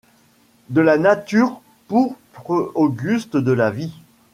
De la nature, pourpre auguste de la vie